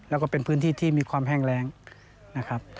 แล้วก็เป็นพื้นที่ที่มีความแห้งแรงนะครับ